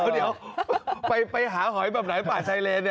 เดี๋ยวไปหาหอยแบบไหนป่าไซเลน